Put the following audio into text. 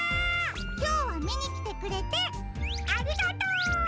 きょうはみにきてくれてありがとう！